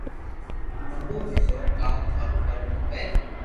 امي جوئو ڪاو ٿارو ڪروو کپي